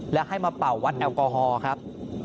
และให้มาเป่าวัดแอลกอฮอล์ครับ